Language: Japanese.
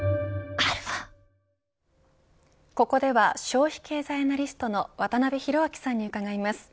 ここでは消費経済アナリストの渡辺広明さんに伺います。